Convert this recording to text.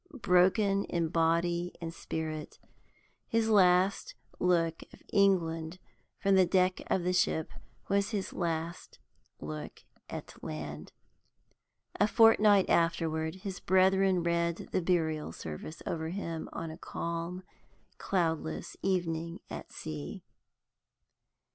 Broken in body and spirit, his last look of England from the deck of the ship was his last look at land. A fortnight afterward, his brethren read the burial service over him on a calm, cloudless evening at sea.